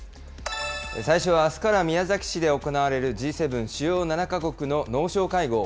最初はあすから宮崎市で行われるＧ７・主要７か国の農相会合。